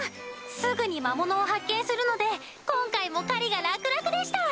すぐに魔物を発見するので今回も狩りが楽々でした！